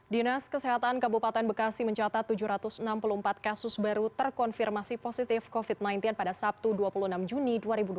dinas kesehatan kabupaten bekasi mencatat tujuh ratus enam puluh empat kasus baru terkonfirmasi positif covid sembilan belas pada sabtu dua puluh enam juni dua ribu dua puluh